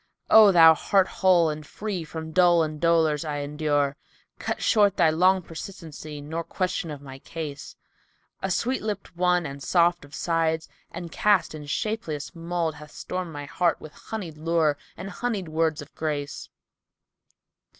O thou heart whole and free from dole and dolours I endure, * Cut short thy long persistency nor question of my case: A sweet lipped one and soft of sides and cast in shapeliest mould * Hath stormed my heart with honied lure and honied words of grace.